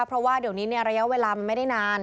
เพราะว่าเดี๋ยวนี้ระยะเวลามันไม่ได้นาน